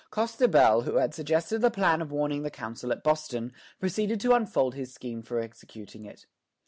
Costebelle, who had suggested the plan of warning the Council at Boston, proceeded to unfold his scheme for executing it.